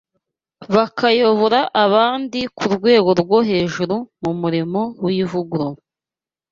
bakayobora abandi ku rwego rwo hejuru mu murimo w’ivugurura